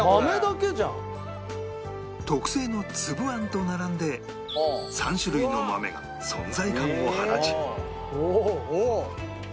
特製のつぶあんと並んで３種類の豆が存在感を放ち